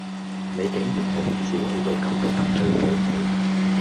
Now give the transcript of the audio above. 你竟然可以小器到咁都得罪到你